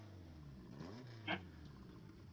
今天看到的木府有些类似微缩版的北京故宫。